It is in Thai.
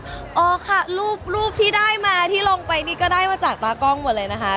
อ๋อค่ะรูปที่ได้มาที่ลงไปนี่ก็ได้มาจากตากล้องหมดเลยนะคะ